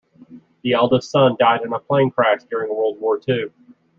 The eldest son died in a plane crash during World War Two.